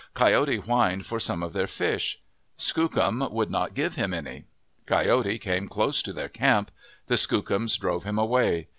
Coyote whined for some of their fish. Skookum would not give him any. Coyote came close to their camp. The Skookums drove him away.